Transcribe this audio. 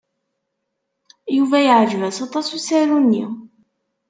Yuba yeɛjeb-as aṭas usaru-nni.